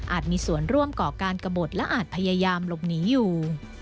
มีส่วนร่วมก่อการกระบดและอาจพยายามหลบหนีอยู่